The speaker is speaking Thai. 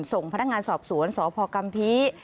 ส่งพนักงานสอบสวนสพกำพี